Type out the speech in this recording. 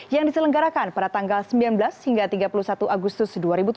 yang diselenggarakan pada tanggal sembilan belas hingga tiga puluh satu agustus dua ribu tujuh belas